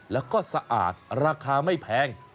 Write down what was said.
แล้วก็สะอาดราคาไม่แพง